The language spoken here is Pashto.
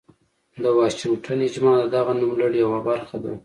د واشنګټن اجماع د دغه نوملړ یوه برخه ده.